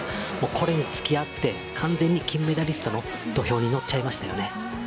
これにつき合って完全に金メダリストの土俵にのってしまいました。